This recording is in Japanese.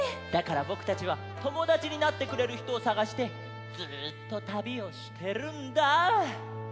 だからぼくたちはともだちになってくれるひとをさがしてずっとたびをしてるんだ。